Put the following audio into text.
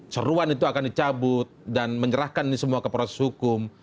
seruan itu akan dicabut dan menyerahkan ini semua ke proses hukum